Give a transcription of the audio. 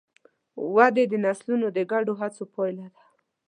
ودې د نسلونو د ګډو هڅو پایله ده.